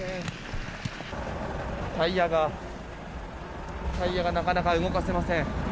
タイヤがなかなか動かせません。